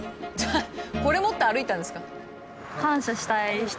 これ持って歩いたんですか？